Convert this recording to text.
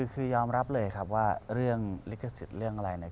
คือยอมรับเลยครับว่าเรื่องลิขสิทธิ์เรื่องอะไร